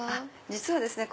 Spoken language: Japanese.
実はですね